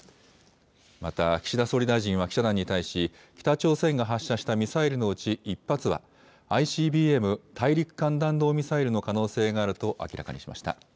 また、岸田総理大臣は記者団に対し、北朝鮮が発射したミサイルのうち１発は、ＩＣＢＭ・大陸間弾道ミサイルの可能性があると明らかにしました。